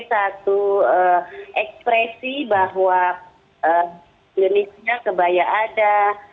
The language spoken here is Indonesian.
sebagai satu ekspresi bahwa indonesia kebaya ada